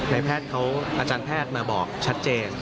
แพทย์เขาอาจารย์แพทย์มาบอกชัดเจน